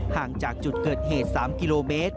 ห่างจากจุดเกิดเหตุ๓กิโลเมตร